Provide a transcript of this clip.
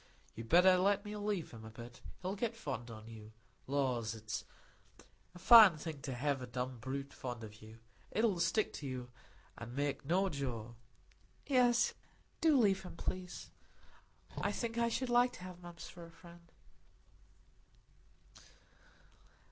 You'd better let me leave him a bit; he'll get fond on you. Lors, it's a fine thing to hev a dumb brute fond on you; it'll stick to you, an' make no jaw." "Yes, do leave him, please," said Maggie. "I think I should like to have Mumps for a friend."